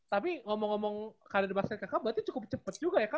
tapi ngomong ngomong karena di basket kakak berarti cukup cepet juga ya kak